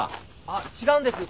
あっ違うんです。